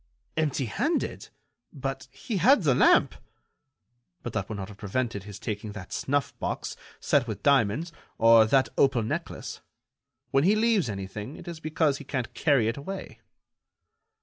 "Empty handed! But he had the lamp." "But that would not have prevented his taking that snuff box, set with diamonds, or that opal necklace. When he leaves anything, it is because he can't carry it away."